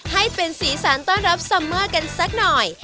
ให้เป็นสีสันต้อนรับซัมเมอร์กันสักหน่อย